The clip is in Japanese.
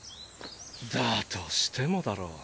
だとしてもだろ。